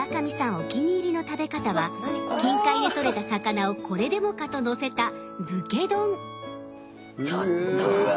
お気に入りの食べ方は近海で取れた魚をこれでもかとのせたうわ！